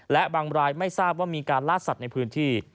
และบางรายไม่ทราบว่ามีการล่าสัตว์ในพื้นที่